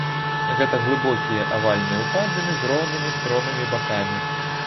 Гэта глыбокія авальныя ўпадзіны з роўнымі стромымі бакамі.